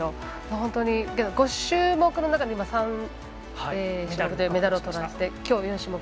本当に５種目の中の３種目でメダルをとられてきょう４種目。